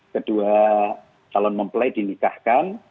kedua calon mempelai dinikahkan